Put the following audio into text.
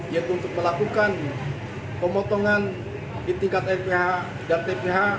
yaitu untuk melakukan pemotongan di tingkat fph dan tph